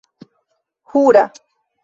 hura